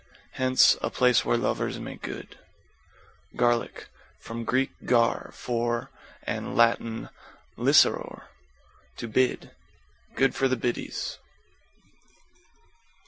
Hence, a place where lovers make good. =GARLIC= From Grk. gar, for, and Lat. liceor, to bid. Good for the biddies.